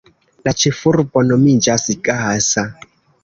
La ĉefurbo nomiĝas Gasa.